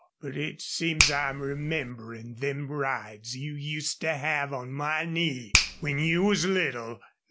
But it seems I'm rememberin' them rides you used to have on my knee when you was little!"